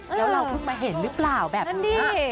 แล้วเราเพิ่งมาเห็นหรือเปล่าแบบนี้